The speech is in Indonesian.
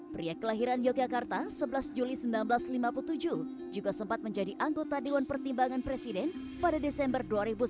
pria kelahiran yogyakarta sebelas juli seribu sembilan ratus lima puluh tujuh juga sempat menjadi anggota dewan pertimbangan presiden pada desember dua ribu sembilan belas